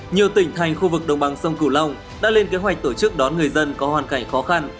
nhiều tỉnh thành khu vực đồng bằng sông cửu long đã lên kế hoạch tổ chức đón người dân có hoàn cảnh khó khăn